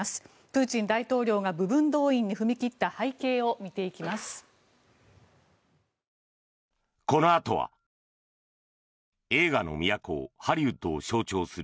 プーチン大統領が部分動員令に踏み切った背景を見ていきます。